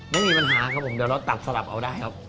ไม่มีปัญหาครับผมเดี๋ยวเราตัดสลับเอาได้ครับ